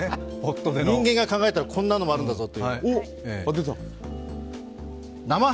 人間が考えたらこんなのもあるんだぞと。